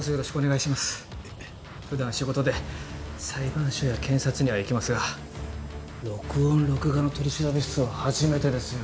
普段仕事で裁判所や検察には行きますが録音・録画の取調室は初めてですよ。